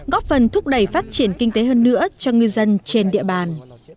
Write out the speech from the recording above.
góp phần thúc đẩy phát triển kinh tế hơn nữa cho ngư dân trên địa bàn